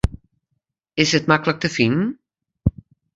Is it maklik te finen?